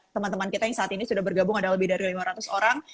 teman teman kita yang saat ini sudah bergabung ada lebih dari lima ratus orang